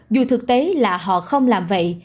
dù thực tế là họ không làm vậy